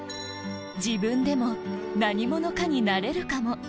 「自分でも何者かになれるかも」